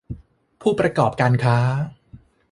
ผู้ประกอบการค้า